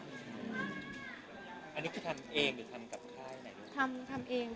อันนี้คือทำเองหรือทำกับค่ายไหน